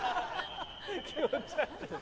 気持ち悪い。